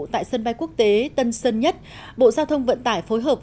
tại sân bay quốc tế tân sơn nhất bộ giao thông vận tải phối hợp